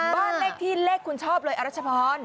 บ้านเลขที่เลขคุณชอบเลยอรัชพร